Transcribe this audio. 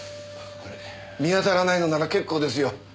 見当たらないのなら結構ですよ。